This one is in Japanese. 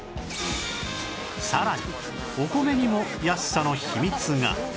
さらにお米にも安さの秘密が